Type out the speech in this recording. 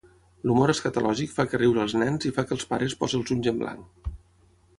L'humor escatològic fa que riure als nens i fa que els pares posi els ulls en blanc.